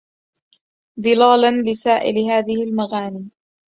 ضلالا لسائل هذي المغاني